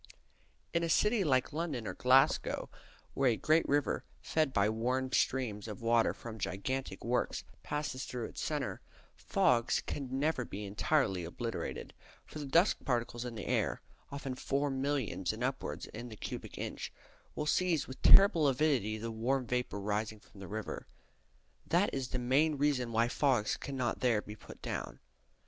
In a city like London or Glasgow, where a great river, fed by warm streams of water from gigantic works, passes through its centre, fogs can never be entirely obliterated, for the dust particles in the air (often four millions and upwards in the cubic inch) will seize with terrible avidity the warm vapour rising from the river. That is the main reason why fogs cannot there be put down.